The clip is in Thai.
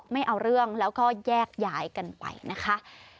ไม่เอาเรื่องแล้วก็แยกย้ายกันไปนะคะ